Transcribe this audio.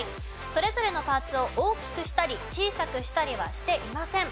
それぞれのパーツを大きくしたり小さくしたりはしていません。